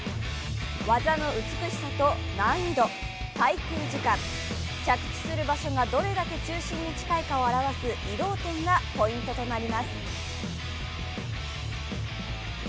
技の美しさと難易度、滞空時間、着地する場所がどれだけ中心に近いかを表す移動点がポイントとなります。